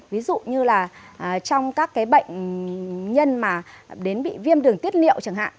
ví dụ như trong các bệnh nhân bị viêm đường tiết liệu chẳng hạn